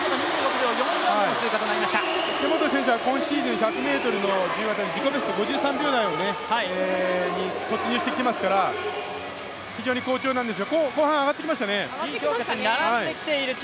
池本選手は今シーズン１００ｍの自由形、自己ベスト５３秒台に突入してきていますから、非常に好調なんですが、後半、上がってきましたね。